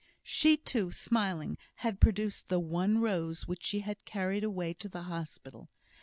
She too, smiling, had produced the one rose which she had carried away to the hospital.